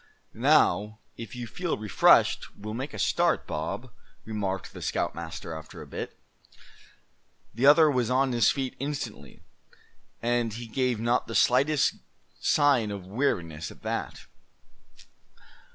"Now, if you feel refreshed, we'll make a start, Bob," remarked the scoutmaster, after a bit. The other was on his feet instantly, and he gave not the slightest sign of weariness at that.